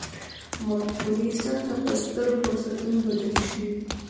مفکورې څنګه په سترو فرصتونو بدلې شوې دي.